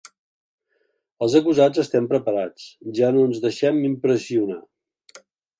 Els acusats estem preparats, ja no ens deixem impressionar.